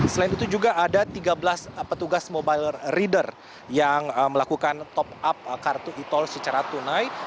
selain itu juga ada tiga belas petugas mobile reader yang melakukan top up kartu e tol secara tunai